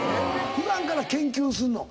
普段から研究すんの？